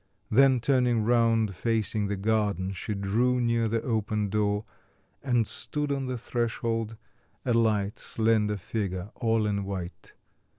Then turning round facing the garden, she drew near the open door, and stood on the threshold, a light slender figure all in white.